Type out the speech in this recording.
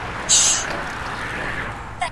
دا معاهده په بشپړه توګه یو استعماري سند و.